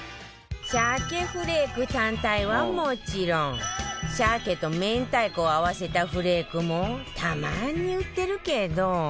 鮭フレーク単体はもちろん鮭と明太子を合わせたフレークもたまに売ってるけど